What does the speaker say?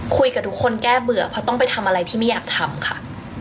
คุยกับทุกคนแก้เบื่อเพราะต้องไปทำอะไรที่ไม่อยากทำค่ะ